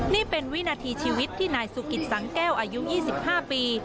นี่เป็นวินาทีชีวิตที่นายสุกิตสังแก้วอายุ๒๕ปี